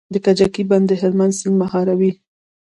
د کجکي بند د هلمند سیند مهاروي